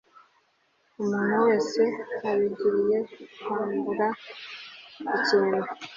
umuntu wese abigiriye kwambura ikintu